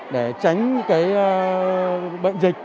để tránh bệnh dịch